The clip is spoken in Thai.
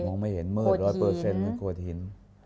มองไม่เห็นเมื่อร้อยเปอร์เซ็นต์โหดหิน